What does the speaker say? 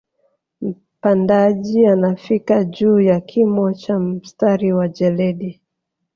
Mpandaji anafika juu ya kimo cha mstari wa jeledi